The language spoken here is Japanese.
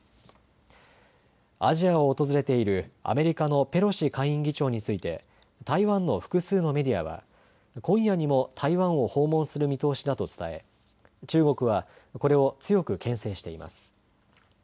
アジアを訪れているアメリカのペロシ下院議長について台湾の複数のメディアは今夜にも台湾を訪問する見通しだと伝え中国はこれを強くけん制しています。